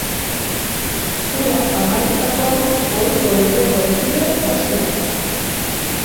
Hura amaitutakoan, ohiko lurreko desfilea hasi da.